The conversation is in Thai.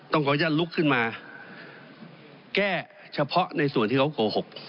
ขออนุญาตลุกขึ้นมาแก้เฉพาะในส่วนที่เขาโกหก